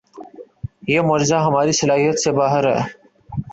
یہ معجزہ ہماری صلاحیت سے باہر ہے۔